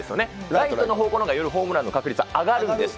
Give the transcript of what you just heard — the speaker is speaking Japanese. ライトの方向のほうがよりホームランの確率上がるんです。